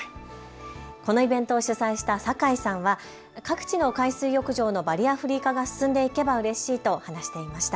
このイベントを主催した酒井さんは各地の海水浴場のバリアフリー化が進んでいけばうれしいと話していました。